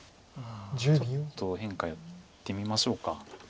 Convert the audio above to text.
ちょっと変化やってみましょうか。